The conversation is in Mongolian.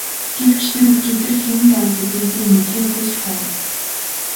Гэвч тэр өчигдөр хэн байв гэдгийг би мэдэхийг хүсэж байна.